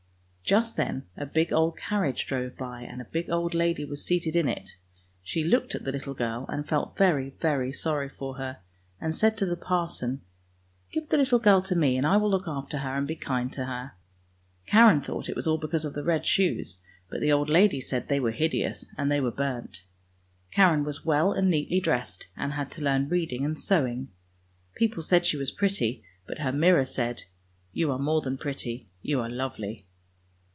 Just then a big old carriage drove by, and a big old lady was seated in it; she looked at the little girl, and felt very very sorry for her, and said to the Parson, " Give the little girl to me and I will look after her and be kind to her." Karen thought it was all because of the red shoes, but the old lady said they were hideous, and they were burnt. Karen was well and neatly dressed, and had to learn reading and sewing. People said she was pretty, but her mirror said, " you are more than pretty, you are lovely."